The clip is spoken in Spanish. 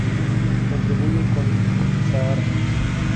Contribuye con Zahara.